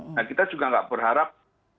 nah kita juga nggak berharap